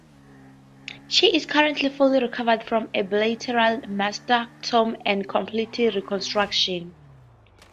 She is currently fully recovered from a bilateral mastectomy and complete reconstruction.